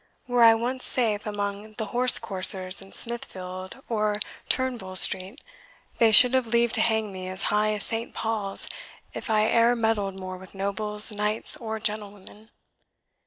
Were I once safe among the horse coursers in Smithfield, or Turnbull Street, they should have leave to hang me as high as St. Paul's if I e'er meddled more with nobles, knights, or gentlewomen."